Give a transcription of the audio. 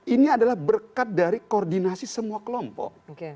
ini adalah berkat dari koordinasi semua kelompok